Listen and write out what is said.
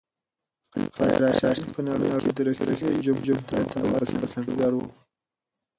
خلفای راشدین په نړۍ کې د رښتیني جمهوریت او عدل بنسټګر وو.